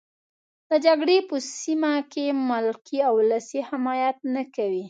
د جګړې په سیمه کې ملکي او ولسي حمایت نه کوي.